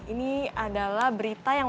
ini adalah berita yang